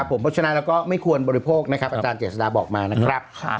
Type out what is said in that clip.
เพราะฉะนั้นเราก็ไม่ควรบริโภคนะครับอาจารย์เจษฎาบอกมานะครับ